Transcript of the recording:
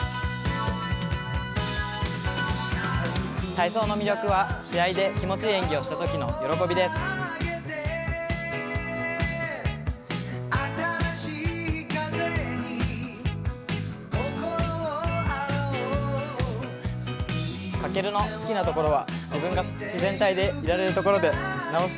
体操の魅力は試合で気持ちいい演技をしたときの喜びです。